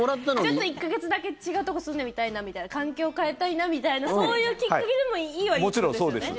ちょっと１か月だけ違うところ住んでみたいみたいな環境変えたいなみたいなそういうきっかけでももちろんそうです。